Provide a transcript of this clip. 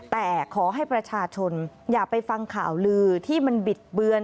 แต่ขอให้ประชาชนอย่าไปฟังข่าวลือที่มันบิดเบือน